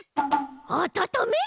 あたためる！？